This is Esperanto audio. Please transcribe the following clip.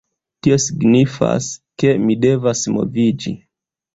Tio signifas, ke mi devas moviĝi